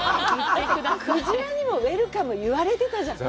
鯨にもウェルカム言われてたじゃない。